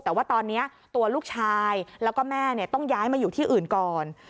แต่ว่าตอนนี้ตัวลูกชายแล้วก็แม่ต้องย้ายมาอยู่ที่อื่นก่อน